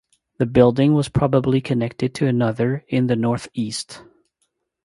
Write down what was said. The building was probably connected to another in the northeast.